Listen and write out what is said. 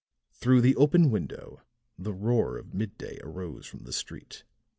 Through the open window, the roar of midday arose from the street.